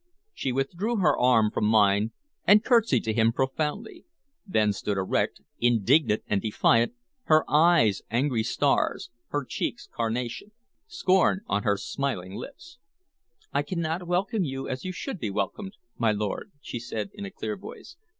She withdrew her arm from mine and curtsied to him profoundly; then stood erect, indignant and defiant, her eyes angry stars, her cheeks carnation, scorn on her smiling lips. "I cannot welcome you as you should be welcomed, my lord," she said in a clear voice.